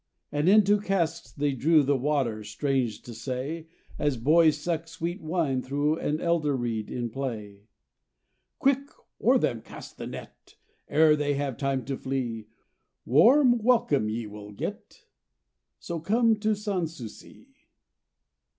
"And into casks they drew The water, strange to say, As boys suck sweet wine through An elder reed in play. "Quick! o'er them cast the net, Ere they have time to flee! Warm welcome ye will get, So come to Sans souci!